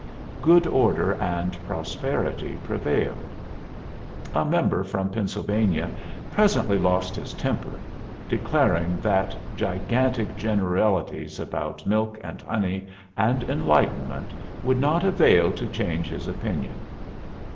Good order and prosperity prevailed. A member from Pennsylvania presently lost his temper, declaring that gigantic generalities about milk and honey and enlightenment would not avail to change his opinion.